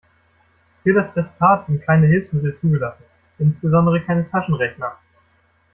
Für das Testat sind keine Hilfsmittel zugelassen, insbesondere keine Taschenrechner.